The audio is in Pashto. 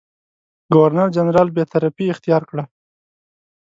ګورنرجنرال بېطرفي اختیار کړه.